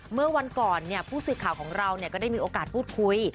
เมื่อวันก่อนผู้สื่อข่าวของเราก็ได้มีโอกาสพูดคุย